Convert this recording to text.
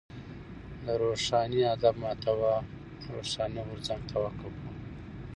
د روښاني ادب محتوا و روښاني غورځنګ ته وقف وه.